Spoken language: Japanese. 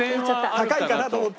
高いかなと思って。